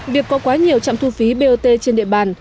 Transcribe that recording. việc có quá nhiều trạm thu phí bot trên địa bàn